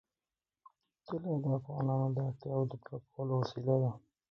طلا د افغانانو د اړتیاوو د پوره کولو وسیله ده.